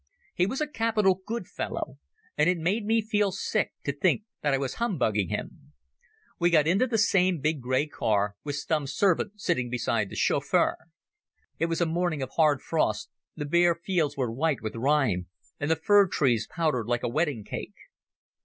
He was a capital good fellow, and it made me feel sick to think that I was humbugging him. We got into the same big grey car, with Stumm's servant sitting beside the chauffeur. It was a morning of hard frost, the bare fields were white with rime, and the fir trees powdered like a wedding cake.